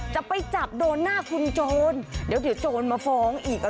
จะไปจับโดนหน้าคุณโจรเดี๋ยวโจรมาฟ้องอีก